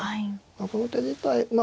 この手自体まあ